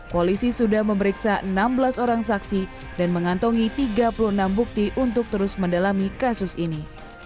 polisi sudah memeriksa enam belas orang saksi dan mengantongi tiga puluh enam bukti untuk terus mendalami kasus ini